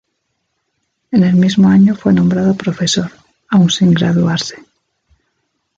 En el mismo año fue nombrado profesor, aun sin graduarse.